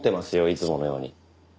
いつものように。